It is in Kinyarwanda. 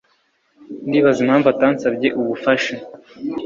Ndibaza impamvu atansabye ubufasha.